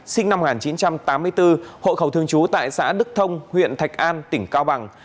sinh năm một nghìn chín trăm tám mươi bốn hộ khẩu thương chú tại xã đức thông huyện thạch an tỉnh cao bằng